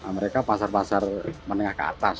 mereka pasar pasar menengah ke atas